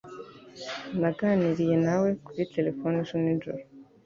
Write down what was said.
Naganiriye nawe kuri terefone ejo nijoro.